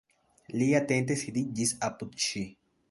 Li atente sidiĝis apud ŝi.